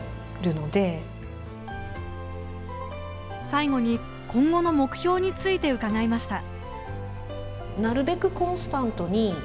最後に今後の目標について伺いました。